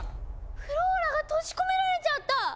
フローラが閉じ込められちゃった！